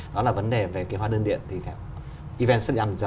đó là vấn đề về cái hóa đơn điện